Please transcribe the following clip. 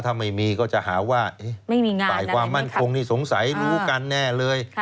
ถ้าไม่มีก็จะหาว่าฝ่ายความมั่นคงนี่สงสัยรู้กันแน่เลย